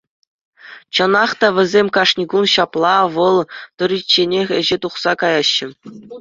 Чӑнах та весем кашни кун ҫапла вӑл тӑричченех ӗҫе тухса каяҫҫӗ.